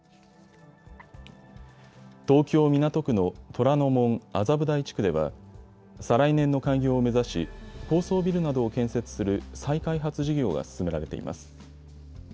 東京港区の虎ノ門・麻布台地区では再来年の開業を目指し、高層ビルなどを建設する再開発事業が進められています。